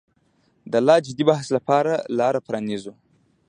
د لا جدي بحث لپاره لاره پرانیزو.